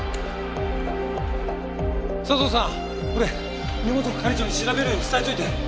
佐相さんこれ根本係長に調べるように伝えておいて！